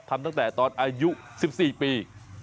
ทำตั้งแต่ตอนอายุ๑๔ปี